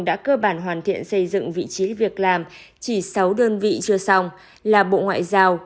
đã cơ bản hoàn thiện xây dựng vị trí việc làm chỉ sáu đơn vị chưa xong là bộ ngoại giao